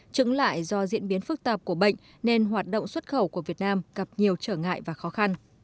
chứng lại do diễn biến phức tạp của bệnh nên hoạt động xuất khẩu của việt nam gặp nhiều trở ngại và khó khăn